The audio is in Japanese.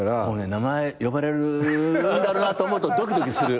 名前呼ばれるんだろうなと思うとドキドキする。